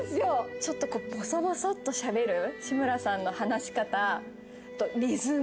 ちょっとボソボソっとしゃべる志村さんの話し方と、リズム。